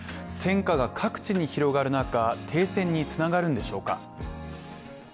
戦火が各地に広がる中、停戦につながるんでしょうか。